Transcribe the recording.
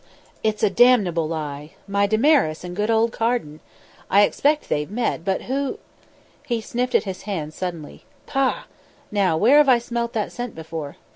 "It's a damnable lie. My Damaris and good old Carden! I expect they've met, but who " He sniffed at his hands suddenly. "Pah! Now, where have I smelt that scent before?